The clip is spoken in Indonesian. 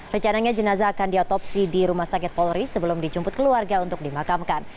rencananya jenazah akan diotopsi di rumah sakit polri sebelum dijemput keluarga untuk dimakamkan